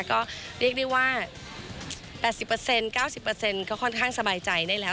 ก็เรียกได้ว่า๘๐๙๐ก็ค่อนข้างสบายใจได้แล้ว